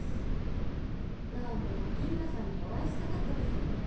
奈緒もギンガさんにお会いしたかったですよね